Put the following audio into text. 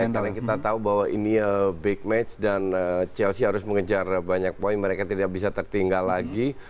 karena kita tahu bahwa ini big match dan chelsea harus mengejar banyak poin mereka tidak bisa tertinggal lagi